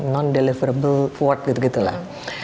non deliverable forward gitu gitu lah